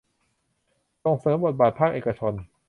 ส่งเสริมบทบาทภาคเอกชน